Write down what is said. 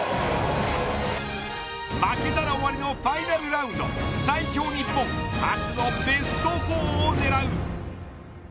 負けたら終わりのファイナルラウンド最強日本初のベスト４を狙う。